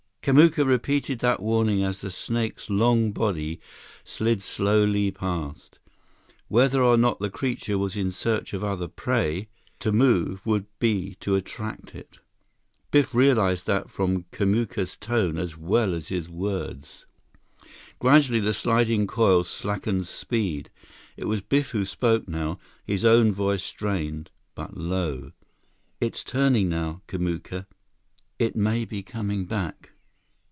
Kamuka repeated that warning as the snake's long body slid slowly past. Whether or not the creature was in search of other prey, to move would be to attract it. Biff realized that from Kamuka's tone as well as his words. Gradually, the sliding coils slackened speed. It was Biff who spoke now, his own voice strained, but low: "It's turning now, Kamuka. It may be coming back."